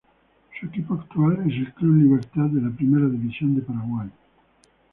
Su equipo actual es el Club Libertad de la Primera División de Paraguay.